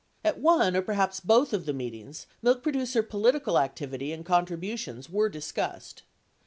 77 At one or perhaps both of the meet ings, milk producer political activity and contributions were discussed.